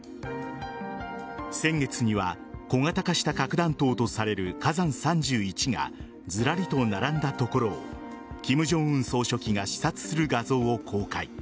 先月には小型化した核弾頭とされる火山３１がずらりと並んだところを金正恩総書記が視察する画像を公開。